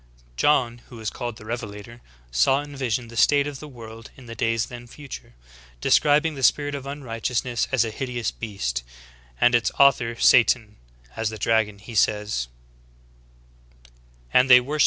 ""' 34. John, who is called the Revelator, saw in vision the state of the world in the days then future. Describing the spirit of unrighteousness as a hideous beast, and its author, Satan, as the dragon, he says : "And they worshiped the "II Thess.